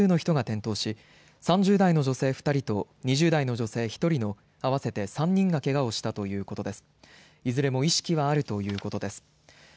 停車した際に車内で複数の人が転倒し、３０代の女性２人と２０代の女性１人の合わせて３人がけがをしたということです。